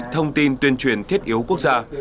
thông tin tuyên truyền thiết yếu quốc gia